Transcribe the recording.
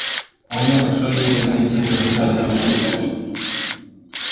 kununua petroli iliyo bei ya chini , hususan upande wa kusini mwa mpaka wa Mutukula